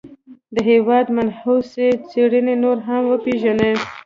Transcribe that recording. د هېواد منحوسي څېرې نورې هم وپېژني.